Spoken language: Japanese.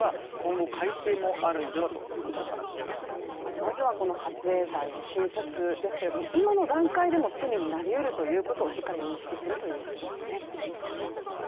まずは撮影罪の新設ですけれども、今の段階でも罪になり得るということをしっかり認識するということですね。